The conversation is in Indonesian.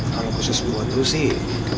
kalo khusus buat lo sih